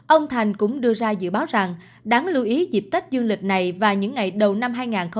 ông thành cũng đưa ra dự báo rằng đáng lưu ý dịp tách du lịch này và những ngày đầu năm hai nghìn hai mươi hai